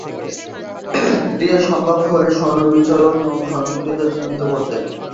রে সম্ভব হলে স্বরবর্ণের সংক্ষিপ্ততা চিহ্নিত করতেন।